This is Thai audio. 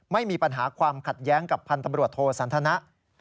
ไม่มีปัญหาความขัดแย้งกับพันธ์ตำรวจโทสันทนะ